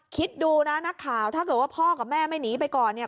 คิดดูนะนักข่าวถ้าเกิดว่าพ่อกับแม่ไม่หนีไปก่อนเนี่ย